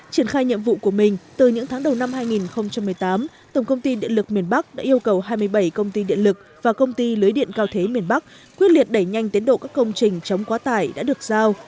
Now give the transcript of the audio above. triển khai nhiệm vụ của mình từ những tháng đầu năm hai nghìn một mươi tám tổng công ty điện lực miền bắc đã yêu cầu hai mươi bảy công ty điện lực và công ty lưới điện cao thế miền bắc quyết liệt đẩy nhanh tiến độ các công trình chống quá tải đã được giao